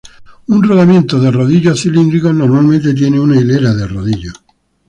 Un rodamiento de rodillos cilíndricos normalmente tiene una hilera de rodillos.